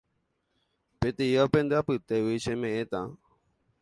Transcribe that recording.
Peteĩva pende apytégui cheme'ẽta